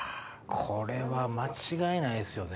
これは間違いないですよね。